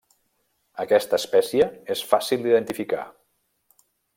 Aquesta espècie és fàcil d'identificar.